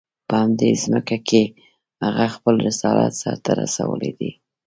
په همدې ځمکه کې هغه خپل رسالت سر ته رسولی دی.